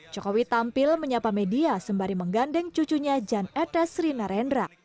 jokowi tampil menyapa media sembari menggandeng cucunya jan etes rina rendra